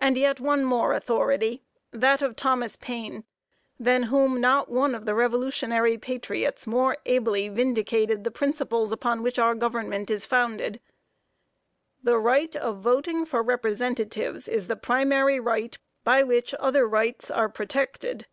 And yet one more authority; that of Thomas Paine, than whom not one of the Revolutionary patriots more ably vindicated the principles upon which our government is founded: "The right of voting for representatives is the primary right by which other rights are protected.